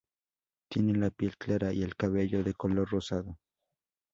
Tiene la piel clara y el cabello de color rosado.